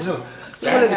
neng aja yang nganter